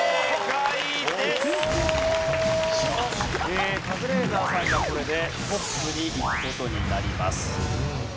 カズレーザーさんがこれでトップにいく事になります。